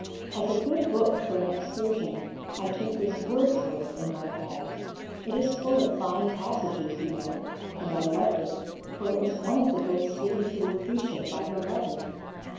As a good book for an excursion, I took this Wordsworth in my bag. It is full of fine passages, you know, and I loved it, for it was one of the books given to Lucretia by her lover.